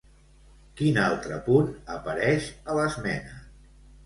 Quin altre punt apareix a l'esmena?